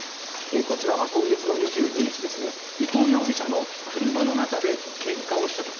こちらは今月の２２日伊藤容疑者の車の中でけんかをしたと。